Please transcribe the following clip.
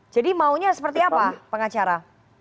jadi maunya seperti apa pengacara